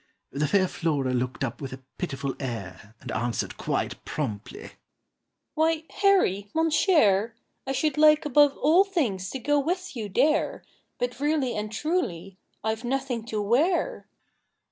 The fair Flora looked up with a pitiful air, And answered quite promptly, "Why, Harry, mon cher, I should like above all things to go with you there, But really and truly I've nothing to wear."